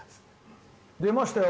出ましたよ。